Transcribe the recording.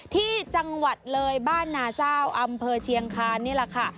ที่จังหวัดเลยบ้านนาเจ้าอำเภอเชียงคานนี่แหละค่ะ